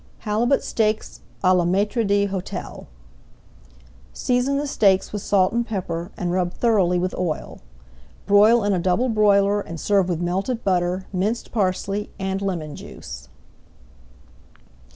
HALIBUT STEAKS À LA MAÎTRE D'HÔTEL Season the steaks with salt and pepper, and rub thoroughly with oil. Broil in a double broiler, and serve with melted butter, minced parsley, and lemon juice.